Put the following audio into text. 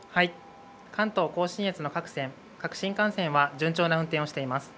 関東甲信越の各線、各新幹線は順調な運転をしています。